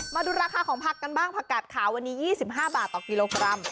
มาดูราคาของผักกันบ้างผักกาดขาววันนี้๒๕บาทต่อกิโลกรัม